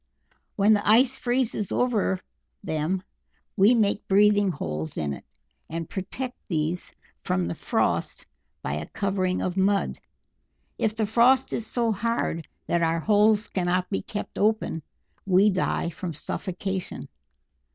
When the ice freezes over them we make breathing holes in it, and protect these from the frost by a covering of mud. If the frost is so hard that our holes cannot be kept open, we die from suffocation."